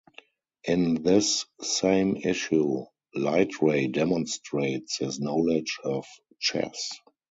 In this same issue, Lightray demonstrates his knowledge of chess.